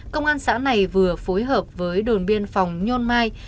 công an xã này vừa phối hợp với đồn biên phòng nhôn mai